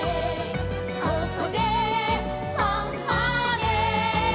「ここでファンファーレ」